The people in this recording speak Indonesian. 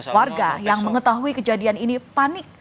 warga yang mengetahui kejadian ini panik